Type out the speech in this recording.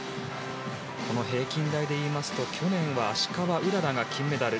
この平均台で言いますと去年は芦川うららが金メダル。